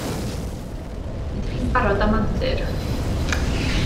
Ydych chi'n barod am antur?